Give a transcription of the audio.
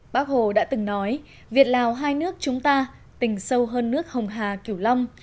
bác hồ đã từng nói việt lào hai nước chúng ta tình sâu hơn nước hồng hà kiểu long